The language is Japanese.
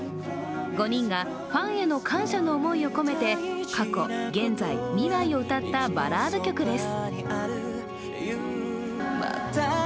５人がファンへの感謝の思いを込めて過去・現在・未来を歌ったバラード曲です。